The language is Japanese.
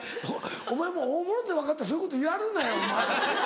お前も大物って分かってたらそういうことやるなよお前。